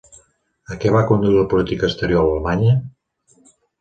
A què va conduir la política exterior alemanya?